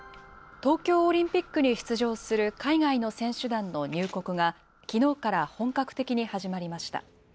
東京オリンピックに出場する海外の選手団の入国が、きのうから本格的に始まりました。